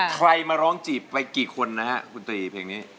ใครมาร้องจีบไปกี่คนนะครับคุณตี